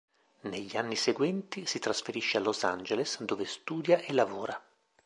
Negli anni seguenti si trasferisce a Los Angeles dove studia e lavora.